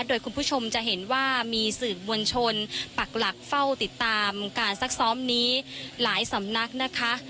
โดยคุณผู้ชมจะเห็นว่ามีสื่อมวลชนปักหลักเฝ้าติดตามการซักซ้อมนี้หลายสำนักนะคะ